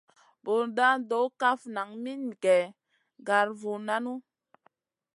Bur NDA ndo kaf nan min gue gara vu nanu.